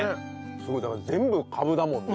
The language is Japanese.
すごいだから全部カブだもんね。